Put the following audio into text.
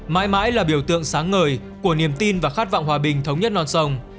mãi mãi là biểu tượng sáng ngời của niềm tin và khát vọng hòa bình thống nhất non sông